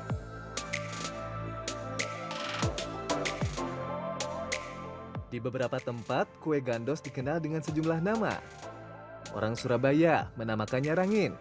hai di beberapa tempat kue gandos dikenal dengan sejumlah nama orang surabaya menamakannya rangin